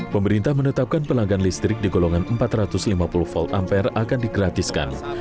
pemerintah menetapkan pelanggan listrik di golongan empat ratus lima puluh volt ampere akan digratiskan